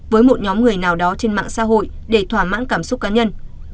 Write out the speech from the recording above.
với một nhóm người nào đó trên mạng xã hội để thỏa mãn cảm xúc cá nhân